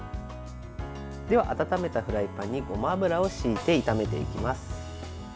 では温めたフライパンにごま油をひいて炒めていきます。